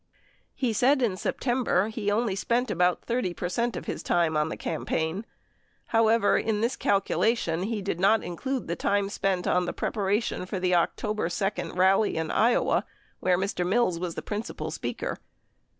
He said in September he only spent about 30% of Ms time on the campaign ; however, in this calcula tion he did not include time spent on the preparation for the October 2 rally in Iowa where Mr. Mills was the principal speaker.